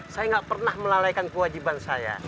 saya nggak pernah melalaikan kewajiban saya